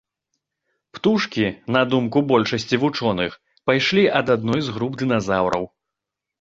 Птушкі, на думку большасці вучоных, пайшлі ад адной з груп дыназаўраў.